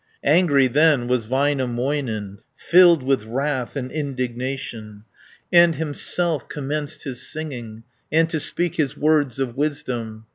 Angry then was Väinämöinen, Filled with wrath and indignation, And himself commenced his singing, And to speak his words of wisdom.